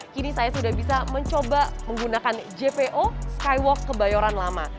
kini saya sudah bisa mencoba menggunakan jpo skywalk kebayoran lama